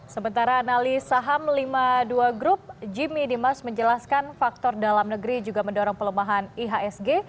sementara analis saham lima puluh dua grup jimmy dimas menjelaskan faktor dalam negeri juga mendorong pelemahan ihsg